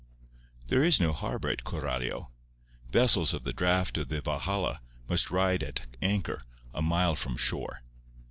There is no harbour at Coralio. Vessels of the draught of the Valhalla must ride at anchor a mile from shore.